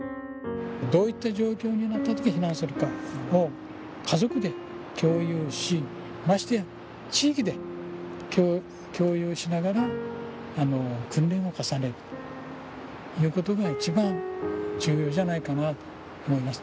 どういった状況になったときに避難するかを家族で共有し、ましてや地域で共有しながら、訓練を重ねるということが、一番重要じゃないかなと思います。